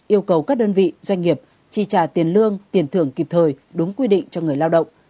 yêu cầu các đơn vị doanh nghiệp chi trả tiền lương tiền thưởng kịp thời đúng quy định cho người lao động